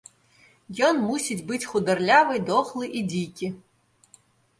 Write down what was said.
Ён мусіць быць хударлявы, дохлы і дзікі.